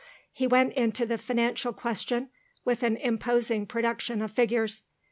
He went into the financial question with an imposing production of figures.